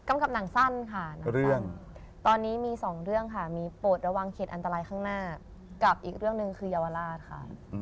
อ๋อเอาไว้ถึงเป็นกำกับได้เนอะ